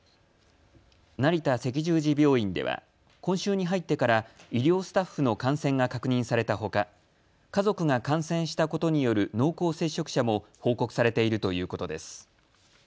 成田赤十字病院では今週に入ってから医療スタッフの感染が確認されたほか家族が感染したことによる濃厚接触者も報告されているということです。